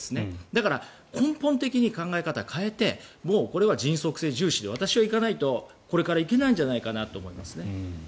だから、根本的に考え方を変えてもうこれは迅速性重視でいかないとこれからはいけないんじゃないかと思いますね。